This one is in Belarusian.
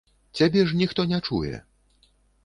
Цябе ж ніхто не чуе!